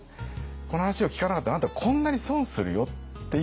この話を聞かなかったらあなたこんなに損はしたくない